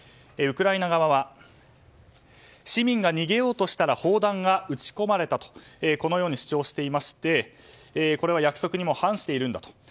ウクライナ側は市民が逃げようとしたら砲弾が撃ち込まれたとこのように主張していましてこれは約束にも反しているんだと。